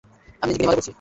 আমি নিজেকে নিয়ে মজা করছি।